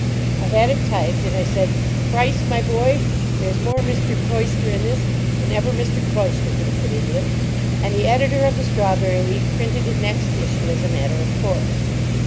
I had it typed, and I said, "Price, my boy, there's more Mr. Cloyster in this than ever Mr. Cloyster could have put into it." And the editor of the Strawberry Leaf printed it next issue as a matter of course.